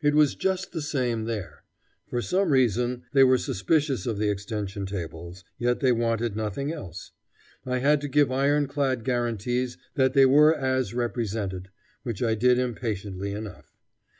It was just the same there. For some reason they were suspicious of the extension tables, yet they wanted nothing else. I had to give ironclad guarantees that they were as represented, which I did impatiently enough.